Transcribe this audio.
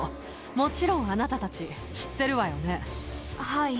もちろん、あなたたち知ってるわはい。